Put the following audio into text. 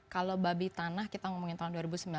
kalau babi tanah kita ngomongin tahun dua ribu sembilan belas